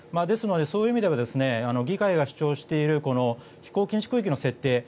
ですので、そういう意味では議会が主張している飛行禁止空域の設定